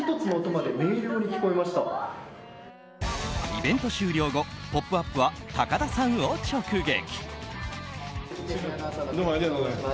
イベント終了後「ポップＵＰ！」は高田さんを直撃。